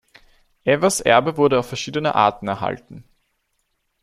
Evers’ Erbe wurde auf verschiedene Arten erhalten.